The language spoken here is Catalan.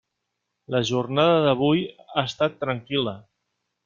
La jornada d'avui ha estat tranquil·la.